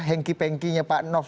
hengki pengkinya pak nof